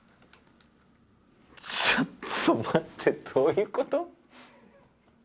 ちょっと待ってどういうこと？